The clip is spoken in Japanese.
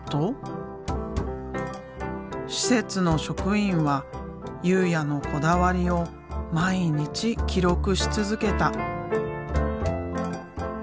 施設の職員は佑哉のこだわりを毎日記録し続けた。